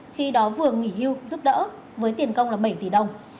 khi đó vừa nghỉ hưu giúp đỡ với tiền công là bảy tỷ đồng